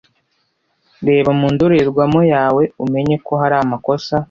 reba mu ndorerwamo yawe umenye ko hari amakosa